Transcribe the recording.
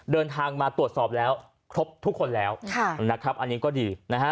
เดินทางมาตรวจสอบแล้วครบทุกคนแล้วอันนี้ก็ดี